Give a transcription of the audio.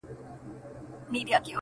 • په ځنګله کي د ځنګله قانون چلېږي,